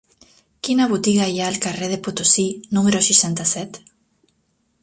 Quina botiga hi ha al carrer de Potosí número seixanta-set?